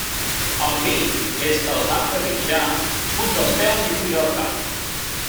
El vi, des que el van trepitjar fuig dels peus i puja al cap.